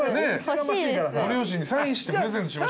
ご両親にサインしてプレゼントしましょうよ。